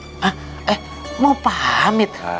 hah mau pamit